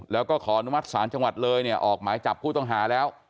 แล้วก็ขออนุมัติศาลจังหวัดเลยเนี่ยออกหมายจับผู้ต้องหาแล้ว